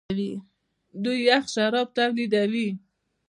دوی یخ شراب تولیدوي.